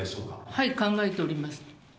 はい、考えております。